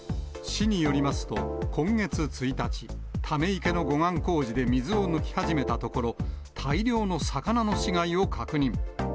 市によりますと、今月１日、ため池の護岸工事で水を抜き始めたところ、大量の魚の死骸を確認。